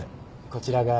こちらが。